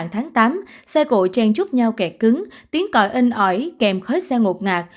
cách mạng tháng tám xe cộ chen chút nhau kẹt cứng tiếng còi inh ỏi kèm khói xe ngột ngạt